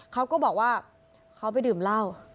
เขาก็บอกว่าเขาไปดื่มเหล้า